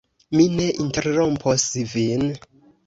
Mi ne interrompos vin.